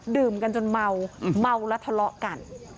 ดื่มกันจนเมาเมาแล้วทะเลาะกัน